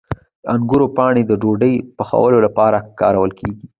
د انګورو پاڼې د ډوډۍ پخولو لپاره کارول کیږي.